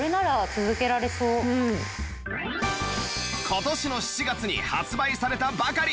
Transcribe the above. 今年の７月に発売されたばかり！